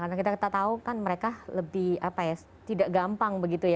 karena kita tahu kan mereka lebih tidak gampang begitu ya